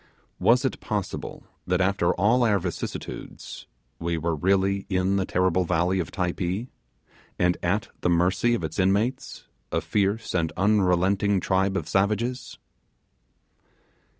Was it possible that, after all our vicissitudes, we were really in the terrible valley of Typee, and at the mercy of its inmates, a fierce and unrelenting tribe of savages?